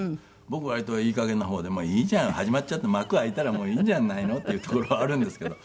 僕は割といい加減な方で「まあいいじゃん」「始まっちゃって幕開いたらもういいじゃないの」っていうところはあるんですけど。